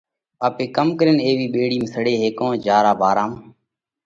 آپي ڪم ڪرينَ ايوِي ٻيڙِي ۾ سڙي هيڪونه جيا را ڀارام